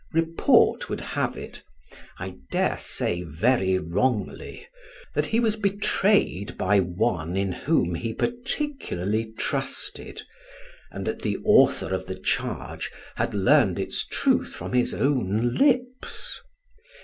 Report would have it (I daresay, very wrongly) that he was betrayed by one in whom he particularly trusted, and that the author of the charge had learned its truth from his own lips.